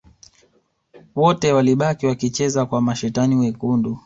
Wote walibaki wakicheza kwa mashetrani wekundu